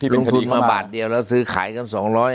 ลงทุนมาบาทเดียวแล้วซื้อขายกัน๒๐๐